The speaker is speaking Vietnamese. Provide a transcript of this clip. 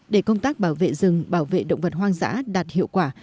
để công tác bảo vệ rừng bảo vệ động vật hoang dã đạt hiệu quả